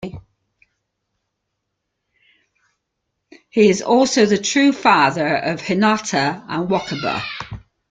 He is also the true father of Hinata and Wakaba.